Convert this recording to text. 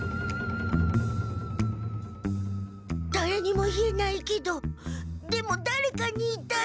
だれにも言えないけどでもだれかに言いたい。